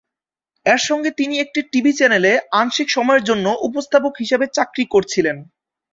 এর সঙ্গে তিনি একটি টিভি চ্যানেলে আংশিক সময়ের জন্য উপস্থাপক হিসাবে চাকরি করছিলেন।